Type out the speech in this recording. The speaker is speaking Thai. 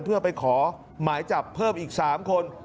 เพื่อไปขอหมายจับเพิ่มอีก๓คน